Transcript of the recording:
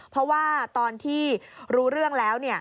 เพราะว่าตอนที่รู้เรื่องแล้ว